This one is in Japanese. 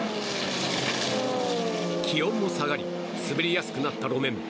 気温も下がり滑りやすくなった路面。